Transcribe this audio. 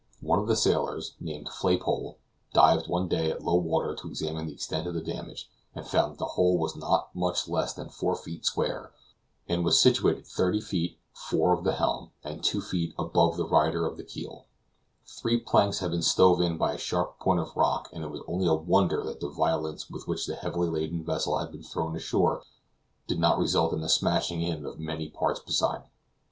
One of the sailors, named Flaypole, dived one day at low water to examine the extent of the damage, and found that the hole was not much less than four feet square, and was situated thirty feet fore of the helm, and two feet above the rider of the keel; three planks had been stove in by a sharp point of rock and it was only a wonder that the violence with which the heavily laden vessel had been thrown ashore did not result in the smashing in of many parts beside.